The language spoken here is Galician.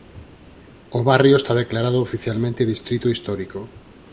O barrio está declarado oficialmente distrito histórico.